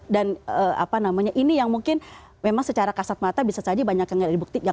dan apa namanya ini yang mungkin memang secara kasat mata bisa saja banyak yang tidak dibuktikan